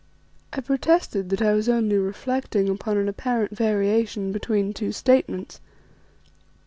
I protested that I was only reflecting upon an apparent variation between two statements.